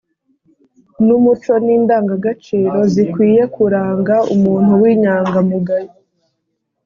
n’umuco n’indangagaciro zikwiye kuranga umuntu w’inyangamugayo.